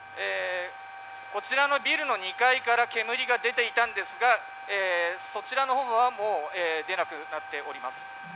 こちらのビルの２階から煙が出ていたんですがそちらの方はもう出なくなっております。